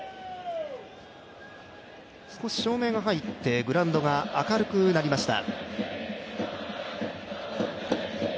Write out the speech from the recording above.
少し照明が入ってグラウンドが明るくなりました。